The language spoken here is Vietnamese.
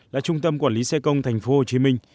là trung tâm quản lý xe công tp hcm